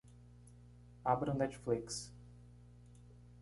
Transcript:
Abra o Netflix.